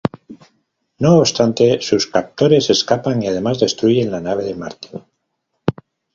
No obstante, sus captores escapan y además destruyen la nave de Martín.